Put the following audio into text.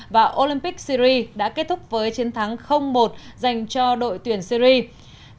và olympic syria đã kết thúc với chiến thắng một dành cho đội tuyển syria